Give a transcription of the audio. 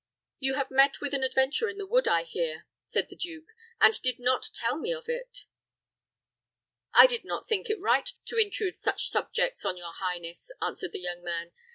"You have met with an adventure in the wood, I hear," said the duke, "and did not tell me of it." "I did not think it right to intrude such subjects on your highness," answered the young man.